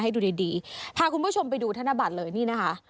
ให้ดูดีดีพาคุณผู้ชมไปดูธนบัตรเลยนี่นะคะ